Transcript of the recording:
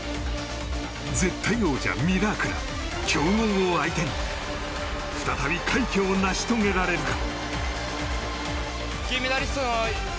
絶対王者ミラークら強豪を相手に再び快挙を成し遂げられるか？